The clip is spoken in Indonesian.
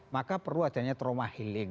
maka perlu adanya trauma healing